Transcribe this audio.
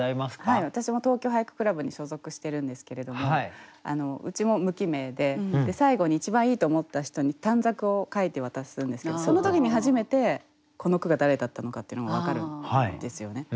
私も東京俳句倶楽部に所属しているんですけれどもうちも無記名で最後に一番いいと思った人に短冊を書いて渡すんですけどその時に初めてこの句が誰だったのかっていうのが分かるんですよね。